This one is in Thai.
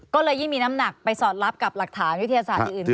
ก็เลยยิ่งมีน้ำหนักไปสอดรับกับหลักฐานวิทยาศาสตร์อื่น